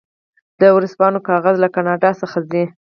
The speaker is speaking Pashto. د ورځپاڼو کاغذ له کاناډا څخه ځي.